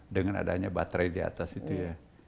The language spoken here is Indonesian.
dengan adanya baterai di atas itu ya